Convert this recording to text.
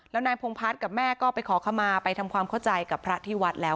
แล้วนายพงพัฒน์กับแม่ก็ไปขอขมาไปทำความเข้าใจกับพระที่วัดแล้ว